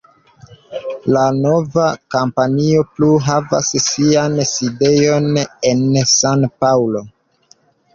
La nova kompanio plu havas sian sidejon en San-Paŭlo.